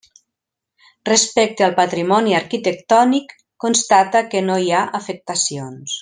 Respecte al patrimoni arquitectònic constata que no hi ha afectacions.